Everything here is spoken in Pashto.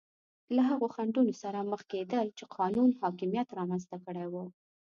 له هغو خنډونو سره مخ کېدل چې قانون حاکمیت رامنځته کړي وو.